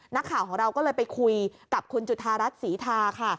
นักข่าวของเราก็เลยไปคุยกับคุณจุธารัฐศรีทาค่ะ